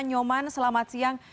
nyoman selamat siang